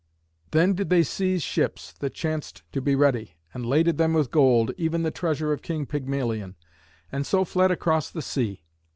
Then did they seize ships that chanced to be ready, and laded them with gold, even the treasure of King Pygmalion, and so fled across the sea.